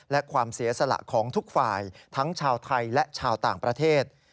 และความเสียสละของทุกฝ่ายทั้งชาวไทยและชาวต่างประเทศ